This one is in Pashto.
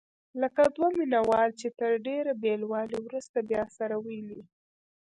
لکه دوه مینه وال چې تر ډېر بېلوالي وروسته بیا سره ویني.